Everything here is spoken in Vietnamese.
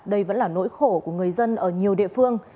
đây vẫn là nỗi khổ của người dân ở nhiều địa phương